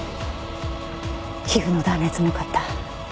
皮膚の断裂も多かった。